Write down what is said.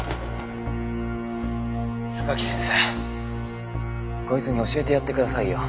榊先生こいつに教えてやってくださいよ。